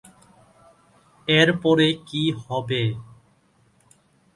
এরপরে কি হবে?